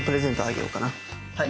はい。